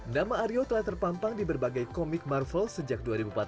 nama aryo telah terpampang di berbagai komik marvel sejak dua ribu empat belas